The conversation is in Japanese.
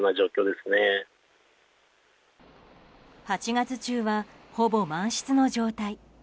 ８月中は、ほぼ満室の状態。